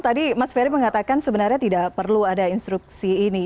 tadi mas ferry mengatakan sebenarnya tidak perlu ada instruksi ini